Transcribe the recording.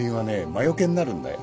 魔除けになるんだよ。